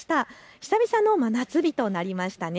久々の真夏日となりましたね。